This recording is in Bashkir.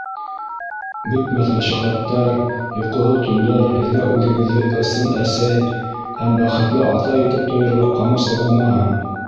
Бөтмәҫ мәшәҡәттәр, йоҡоһоҙ төндәр һеҙгә үҙегеҙҙе ысын әсәй һәм бәхетле атай итеп тойорға ҡамасауламаһын.